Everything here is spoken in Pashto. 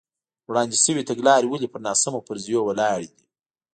وړاندې شوې تګلارې ولې پر ناسمو فرضیو ولاړې دي.